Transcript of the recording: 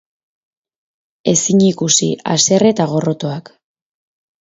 Ezinikusi, haserre eta gorrotoak.